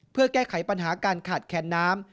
เพื่อแก้ไขปัญหาการขาดแคนน้ำ